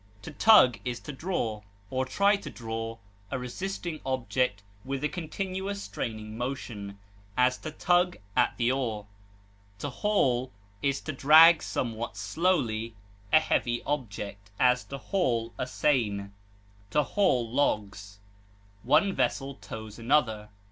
To tug is to draw, or try to draw, a resisting object with a continuous straining motion; as, to tug at the oar. To haul is to draw somewhat slowly a heavy object; as, to haul a seine; to haul logs. One vessel tows another.